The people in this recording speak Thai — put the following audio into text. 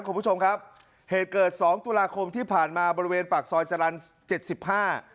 คุณผู้ชมครับเหตุเกิดสองตุลาคมที่ผ่านมาบริเวณปากซอยจรรย์เจ็ดสิบห้า